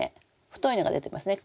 太いのが出てますね。